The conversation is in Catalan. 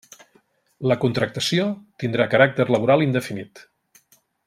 La contractació tindrà caràcter laboral indefinit.